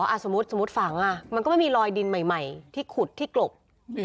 อ่ะสมมุติสมมุติฝังอ่ะมันก็ไม่มีลอยดินใหม่ที่ขุดที่